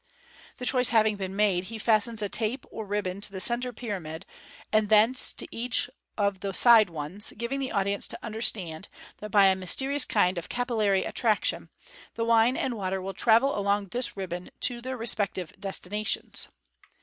The choice having been made, he fastens a tape or ribbon to the centre pyramid, and thence to each of the side ones, giving the audience to understand that, by a mysterious kind of 37* MODERN MAGIC, capillary attraction, the wine and water will travel along this ribbon to their respective destinations.